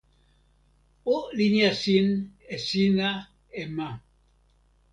o linja sin e sina e ma.